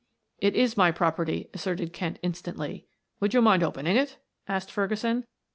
"It is my property," asserted Kent instantly. "Would you mind opening it?" asked Ferguson.